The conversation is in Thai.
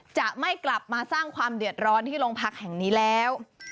จะไม่กลับมาสร้างความเดือดร้อนที่โรงพักแห่งนี้แล้ว